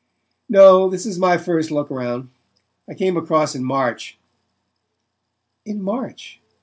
"No, this is my first look round. I came across in March." "In March?"